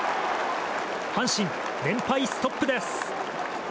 阪神、連敗ストップです。